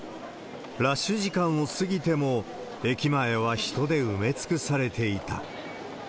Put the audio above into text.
ラッシュ時間を過ぎても、駅前は人で埋め尽くされていた。